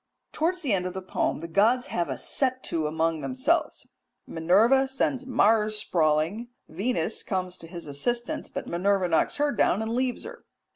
Towards the end of the poem the gods have a set to among themselves. Minerva sends Mars sprawling, Venus comes to his assistance, but Minerva knocks her down and leaves her.